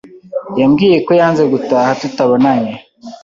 Yambwiye ko yanze gutaha tutabonanye